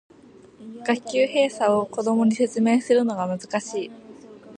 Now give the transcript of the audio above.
学級閉鎖を子供に説明するのが難しい